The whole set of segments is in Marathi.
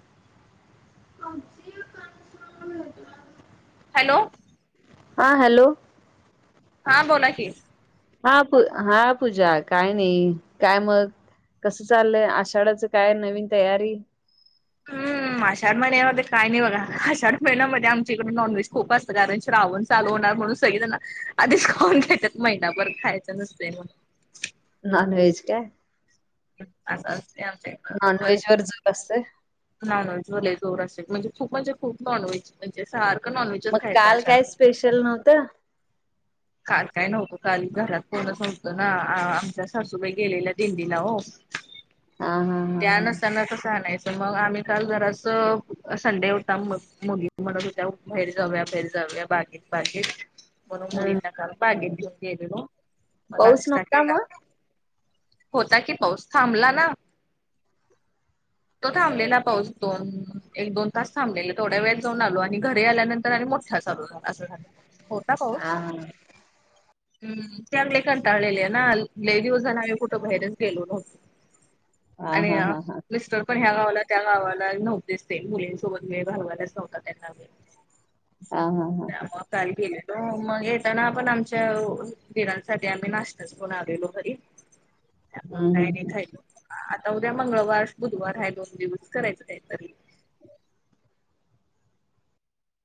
[unintelligible] हॅलो! हा हॅलो! हा बोला की. हा प हा पूजा काय नाही, काय मग. कसं चाललय, आषाढाचं काय नवीन तयारी? [inaudible] म आषाढ महिन्यामध्ये काय नाही बघा, आषाढ महिन्यामध्ये आमच्याकडे नॉनव्हेज खूप असतं. कारण श्रावण चालू होणार म्हणून सगळे जण आधीच खाऊन घेत्यात, महिनाभर खायचं नसतय मग. नॉनव्हेज काय? अस असतय आमच्या नॉन इकडं वर्ष व्हेज वर जोर असतय. नॉनव्हेज वर लयी जोर असते, म्हणजे खूप म्हणजे, खूप नॉन व्हेज. म्हणजे सारखं नॉनव्हेजच खायचं आषाढ त्याल नव्हत. काल काय नव्हतं, काल घरात कोणच नव्हतं ना, आ आमच्या सासूबाई गेलेल्या दिंडीला ओ. आ हा! हा त्या नसताना कसं आणायच? त मग आम्ही काल जरास संडे होता मं मुली म्हणत होत्या बाहेर जाऊया, बाहेर जाऊया बा एक पाकीट. म्हणून हा ह मुलींना काल बागेत घेऊन गेलेलो, मं पाऊस नाष्टा नव्हता केला. मग होता की पाऊस थांबला ना. [inaudible] तो थांबलेला पाऊस दोन, एक दोन, तास थांबलेला तेवड्या वेळ जाऊन आलो आणि घरी आल्यानंतर आणि मोठाच चालू झाला, असं झाल होता पाऊस. हा हा हम चागले कंटाळलेले हे ना लय दिवस झाल आम्ही कुठं बाहेरच गेलो नव्हतो. हा आणि आ हा हा मिस्टर. पण ह्या गावाला त्या गावाला नव्हतेच ते मुलींसोबत वेळ घालवायलाचं नव्हता त्यांना वे आ हा हा हां! काल गेलेलो मग येताना आपण, आमच्या दीरांसाठी आम्ही नाश्ताच पण आलेलो घरी. [inaudible] त्यामुळे काही नाही हम्म खायच, आता उद्या मंगळवार, बुधवार हाय दोन दिवस करायचं काहीतरी.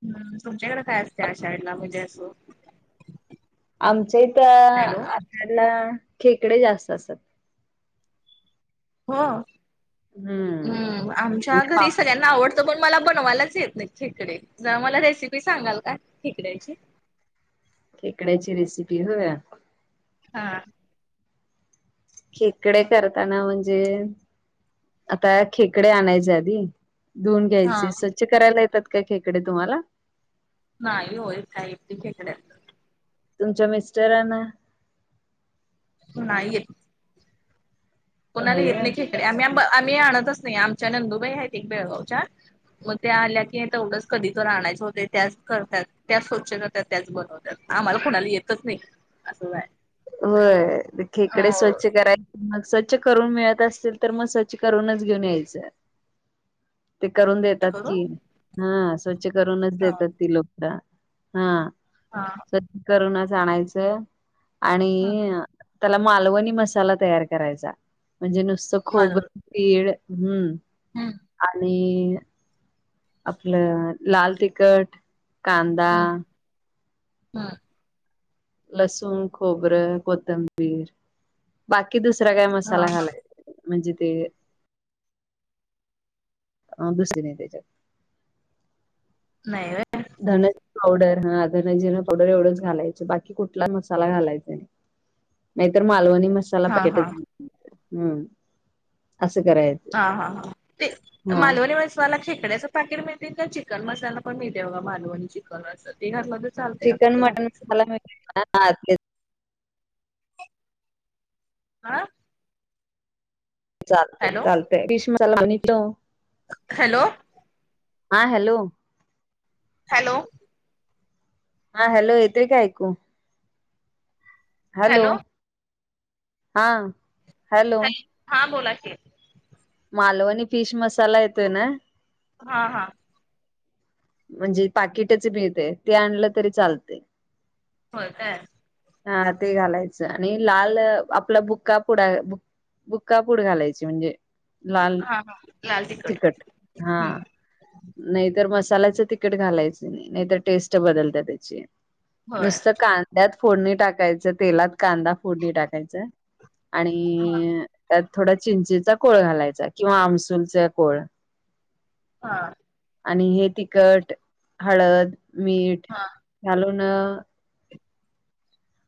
हूं तुमच्याकड काय असते आषाढला म्हणजे असं? आमच्या इथ हॅलो [inaudible] खेकडे जास्त असतात. हो हम्म हूं आमच्या म्हणजे घरी पावसात सगळ्यांना आवड त पण मला बनवायलाच येत नाही खेकडे जरा मला रेसिपी सांगाल का खेकड्याची? खेकड्याची रेसिपी हो्य. हा. खेकडे करताना म्हणजे आता खेकडे आणायचे आधी. धुऊन हा घ्यायचे स्वच्छ करायला येतात का खेकडे तुम्हाला. नाही हो साहित्य खेकड्याचे. तुमच्या मिस्टरांना. नाही येत. कोणाला होय येत काय नाही खेकडे आम्ही आम्ही आणतच नाही आमच्या नंदुबाई आहेत एक बेळगावच्या. मग त्या आल्या की तेवढंच कधी तर आणायचं होते त्याच करतात त्या स्वच्छ. त्याच बनवतात आम्हाला कुणाला येतच नाही असंच आहे. होय खेकडे अ स्वच्छ करायच. मग स्वच्छ करून मिळत असतील तर मग स्वच्छ करूनच घेऊन यायचंय. ते करून देतात करू कि हा स्वच्छ करूनच देतात हा ती लोक हा. हा हा. कट करूनच आणायचं. आणि ह त्याला मालवणी मसाला तयार करायचा म्हणजे नुसतं खोबर. मला पळ हम्म हम्म आणि. आपलं लाल तिखट कांदा. हा. लसूण खोबरं कोथंबीर बाकी दुसरा काय हा मसाला हा घालायचां. म्हणजे ते. अ दुसर नाही त्याच्यात नाही र धन पावडर हा धनजिर पावडर एवढंच घालायचं बाकी कुठला मसाला घालायचा नाही. नाहीतर मालवणी मसाला हा पकेट हा हम्म असं करायचं. हा हा हां ते हा मालवणी व मला खेकड्याचं पॅकेट मिळते का चिकन मसाला पण मिळते बघा मालवणीची. क असं ते घालं तर चालते का कुठं घालायचं. हा ते. हा. चालतय हॅलो चालतय किश मसाला आणि तो. हॅलो! हा हॅलो! हॅलो! हा हॅलो इते काय ऐकू? हॅलो हा हॅलो! हां बोलाकी. मालवणी फिश मसाला येतोय ना. हा हा. म्हणजे पाकिटच मिळते ते आणलं तरी चालत. हो काय. हा ते घालायचं आणि लाल आपला बुक्का पुढाु. बुक्कापूड घालायची म्हणजे. लाल हा हा लाल तिखट तिकट हा. हम्म नाहीतर मसाल्याचं तिखट घालायचं नाही नाहीतर टेस्ट बदलत त्याची. होय नुसतं कांद्यात फोडणी टाकायचं, तेलात कांदा फोडणी टाकायचं. आणि त्यात थोडा चिंचेचा कोळ घालायचा, किंवा आमसूलचा कोळ. हा. आणि हे तिखट, हळद, मीठ हा घालून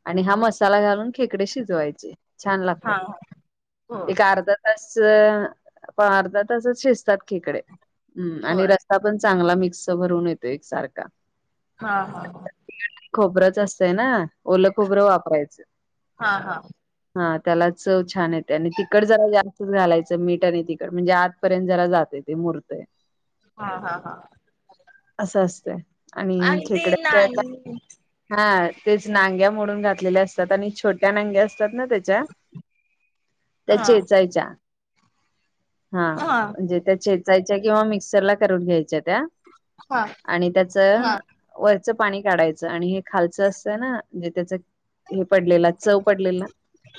आणि हा मसाला घालून खेकडे शिजवायचे, छान लागतात. हा हो एक अर्धा तास, अर्धा तासच शिजतात खकडे, आणि होय रस्सा पण चांगला मिक्स भरून येतोय एक सारखा. हा हा. खोबरंच असतय ना, ओलं खोबरं वापरायचं. हा हा. हा, त्याला चव छान येत त्यानी तिखट जरा जास्तच घालायचं, मीठ आणि तिखट, म्हणजे आतपर्यंत जरा जातय, ते मूर्तय. हा हा हा. असं असतंय, आणि ते खेकड्याच्या नाही हा, तेच नांग्या मोडून घातलेल्या असतात, आणि छोट्या नांग्या असतात ना त्याच्या त्या हा चेचायच्या हा, म्हणजे त्या चेचायच्या, किंवा मिक्सरला करून घ्यायच्या त्या हा आणि त्याच हा वरचं पाणी काढायचं, आणि हे खालचं असतं ना जे त्याच हे पडलेला, चव पडलेला,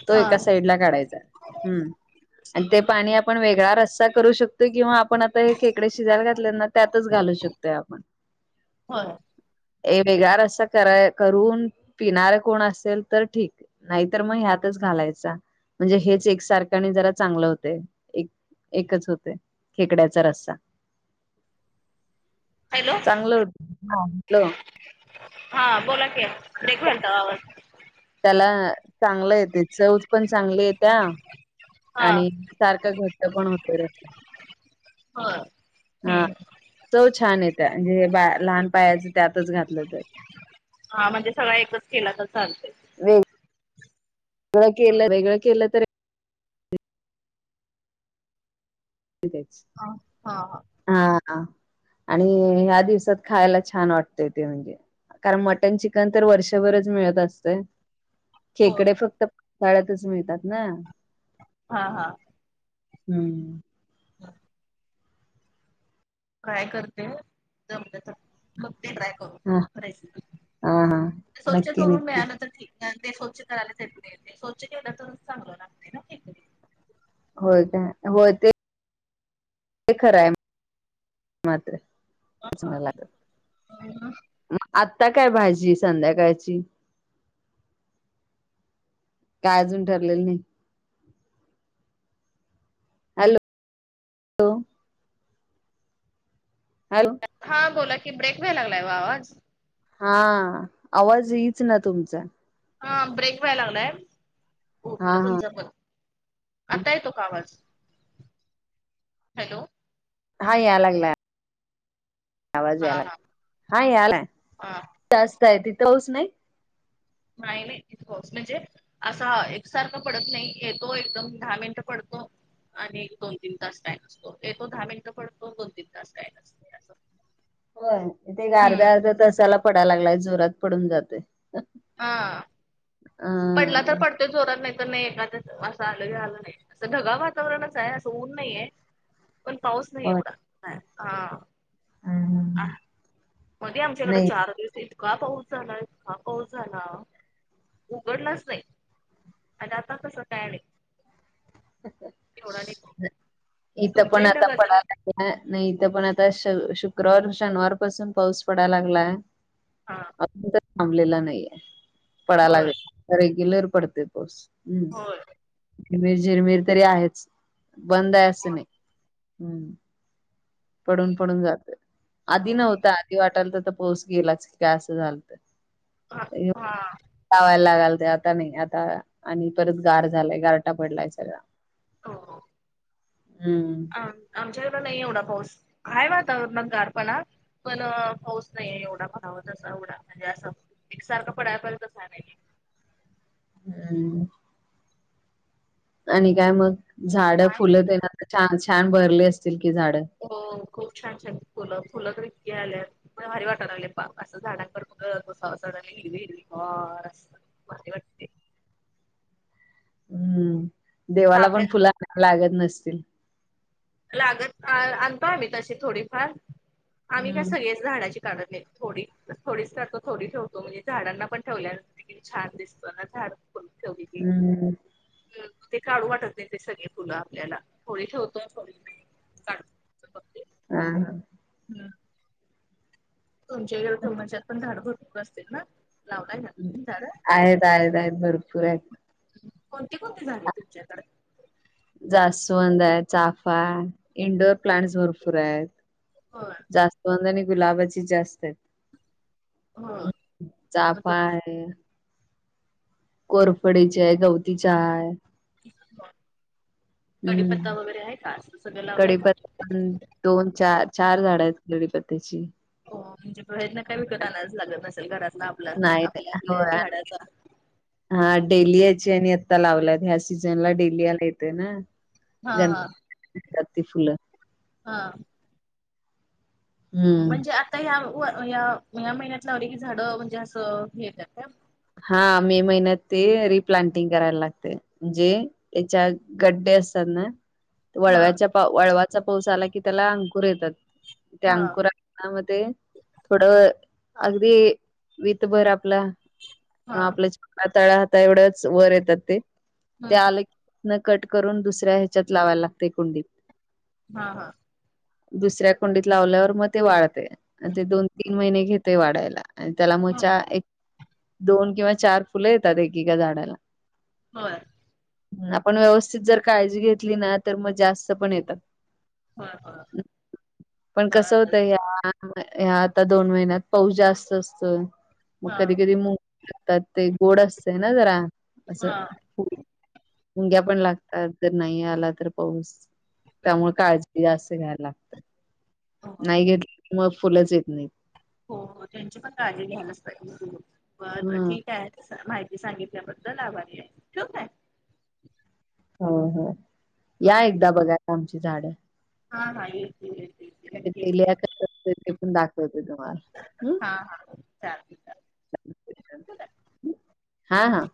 तो हा एका साईडला काढायचा. हम्म, आणि ते पाणी आपण वेगळा रस्सा करू शकतो. ते घेऊन आपण आता हे खेकडे शिजायला घातले ना, त्यातच घालू शकतोय आपण. होय. ए वेगळा रस्सा कर करून पिणार कोण असेल तर ठीक नाहीतर मग ह्यातच घालायचा, म्हणजे हेच एकसारखं आणि जरा चांगलं होतय. एकच होतय खेकड्याचा रस्सा. Hello okay. चांगलं [unintelligible] हा बोला की, ब्रेक झालता आवाज. त्याला चांगलं येतेय, चव पण चांगली येत्या. हा आणि सारखं घट्ट पण होत रस होय, हम्म. चव छान येत्या, म्हणजे हे लहान पायाचं त्यातच घातलं तर. हा म्हणजे सगळा एकच केला तर चालतय. वे वेगळ केलं वेगळं केलं तर [unintelligible] हा हा हा. हा हा, आणि ह्या दिवसात खायला छान वाटतय ते म्हणजे कारण मटन चिकन तर वर्षभरच मिळत असतय. होय खेकडे फक्त पासाळ्यातच मिळतात ना. हा हा. हम्म. [unintelligible] [inaudible] ट्राय करते, जमलं तर बघते ट्राय हा करून रेसिपी, हा हा स्वच्छ नक्की करून नक्की मिळाला तर ठीक. कारण ते स्वच्छ करायलाच येत नाही, ते स्वच्छ केलं तर चांगलं लागते न्हवं खेकडे. होय काय? होय ते ते खरं आहे मात्र [unintelligible] आत्ता काय भाजी संध्याकाळची? काय अजून ठरलेलं नाही. Hello [unintelligible] hello. हा बोला कि ब्रेक व्हाय लागलाय व आवाज. हा, आवाज येईच ना तुमचा. हा ब्रेक व्हाय लागलाय. हा हा आता येतो का आवाज? हॅलो. हा याय लागलाय, आवाज हा या लाग, हा हा यालाय. हा जास्त आहे तिथं पाऊस नाही. नाही नाही इथं पाऊस म्हणजे? असं एकसारखं पडत नाही येतो एकदम दहा मिनिटं पडतो. आणि एक दोन तीन तास काय नसतो, येतो दहा मिनिटं पडतो दोन तीन तास काय नसतंय. [unintelligible] होय, इथ एक अर्ध्या अर्ध्या तासाला पडायला लागलाय जोरात पडून जातोय. हा अ पडला तर पडतोय जोरात नाही तर नाही एखाद्याच असं आलं की आलं नाही. असं ढगा वातावरणच आहे असं ऊन नाहीे, पण पाऊस नाही एवढा अ हा. हम्म. मध्ये आमच्याकडें चार दिवस येत इतका पाऊस झाला, इतका पाऊस झाला, उघडलाच नाही. आणि आता तस काय नाही. एवढा नाही पाऊस. इथं तुमच्या पण इकडं आता कसं पडा आहे नाही इथं पण आता श शुक्रवार शनिवार पासून पाऊस पडाय लागलाय. हां. अजून तर थांबलेला नाहीे, पडाय होय लागलाय रेग्युलर पडतोय पाऊस. हम्म, होय झिरमीर झिरमीर तरी आहेच, बंद आहे असं नाही. हम्, पडून पडून जातोय, आधी नव्हता आधी वाटायल त पाऊस गेलाच की काय असं झाल त. [unintelligible] हा. लावाय लागाल त आता नाही आता आणि परत गार झालाय गारटा पडलाय सगळा. हो. हम्म. आमच्या इकड नाही एवढा पाऊस, हाय वातावरणात गारपणा. पण पाऊच नाहीे एवढा पडावा तसा एवढा म्हणजे असं एकसारखं पडाय [unintelligible] तसा नाहीये. [unintelligible] आणि काय मग? झाड काय नाही फुलं तेन आता छान-छान भरले असतील की झाडं. हो खूप छान-छान फुलं फुलं तर इतकी आल्यात म भारी वाटा लागले पा असं झाडां कड बगसा [unintelligible] हिरवी हिरवी गार असं. भारी वाटते. हम्म, देवाला पण चाफ्यात फुलं लागत नसतील. लागत अ आणतो आम्ही तशे थोडीफार, आम्ही काय हम्म सगळे झाडाची काढत नाही थोडी थोडीच काढतो थोडी ठेवतो म्हणजे झाडांना पण ठेवल्या छान दिसतो ना झाडून फुल ठेवलेली. हम्म ते काढू वाटत नाही, ते सगळे फुलं आपल्याला. होळी ठेवतोय थोडी [unintelligible] ह, ह. हम्. तुमच्याई, तुमाच्यात पण, झाडं भरपूर असतील ना? लावलाय ना ह. तुम्ही झाडं? आहेत, आहेत, आहेत. भरपूर आहेत. कोणती - कोणती झाडयत, तुमच्याकड? जास्वंदय, चाफा, इंडोर प्लांट् भरपूरयात. होय जास्वंद आणि गुलाबाची जास्तयत. होय. चाफा आहे. कोरफडीचेय. गवती चहाय. [unintelligible] कडीपत्ता हम्म वगैरे आहे का? अस सगळं, लावलंय का? हं. दोन चार - चार झाडयत कढीपत्त्याची. हो, म्हणजे बाहेरनं काय विकत आणाच लागत नसेल. घरातला आपला, नाही आपल्या- नाही आपल्या होय झाडाचा. हा, डेलियाची आणि आता लावल्यात. ह्या सीजनला डेलियाल येतय ना. हा गण हा [unintelligible] तात ती फुलं. हा. हम्म म्हणजे आता हया व या् - या महिन्यात लावली की, झाडं म्हणजे असं, हे येत्यात का? हा, मे महिन्यात ते रिप्लांटिंग करायला लागते. जे याच्या, गड्डया असतात ना? हा वळव्याच्या पा, वळवाचा पाऊस आला की, त्याला अंकुर येतात. त्या हा अंकुरा आ म ते थोडं, अगदी वीतभर आपला हा, आपल्या छोट्या तळहाता एवढ्च वर येतात ते. ते हम्म आले की न कट करून, दुसऱ्या ह्याच्यात लावायला लागतय, कुंडीत. हा, हा. दुसऱ्या कुंडीत लावल्यावर मग ते वाढतय. ते दोन- तीन महिने घेतय वाढायला. आणि त्याला मग हा. च्या एक, दोन किंवा चार फुलं येतात. एकीका झाडाला. होय. ह. आपण व्यवस्थित जर काळजी घेतली ना, तर मग जास् त पण येतात. होय होय. [unintelligible] पण कस बर होतय बर ह्या आता दोन महिन्यात, पाऊस जास्त असतोय. मग हा कधी- कधी मु [unintelligible] तात. ते गोड असतंय ना, जरा. असं हा. मुंग्या पण लागतात. जर नाही आला तर पाऊस. त्यामुळं काळजी आसां घ्यायला लागतं. हम्म. नाही घेतलं की, म फुलंच येत नाहीत. हो, हो त्यांची पण काळजी घ्यायलाच पाहिजे. [unintelligible] बरं बर हा ठीक [unintelligible] माहिती सांगितल्याबद्दल आभारी आहे. ठेऊ काय? हो, हो, हा या एकदा बघायला. आमची झाड. हा, हा. येईल. डेलिया कसं असतय, ते पण दाखवते तुम्हाला. हा, हा. चालेल, चालेल. चालतंय, चालतंय. ठेऊ का? हा, हा.